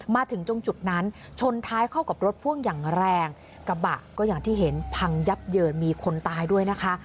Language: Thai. มาถึงตรงจุดนั้นชนท้ายเข้ากับรถพ่วงอย่างแรงกระบะก็อย่างที่เห็นพังยับเยินมีคนตายด้วยนะคะ